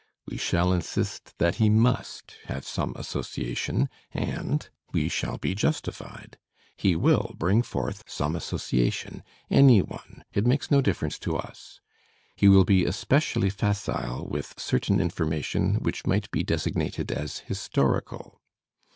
We shall insist that he must have some association and we shall be justified. He will bring forth some association, any one, it makes no difference to us. He will be especially facile with certain information which might be designated as historical.